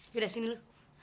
yaudah sini lu